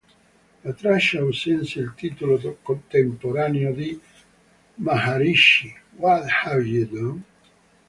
La traccia assunse il titolo temporaneo di "Maharishi, what have you done?".